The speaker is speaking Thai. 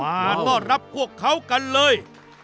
มาต้อนรับพวกเขากันเลย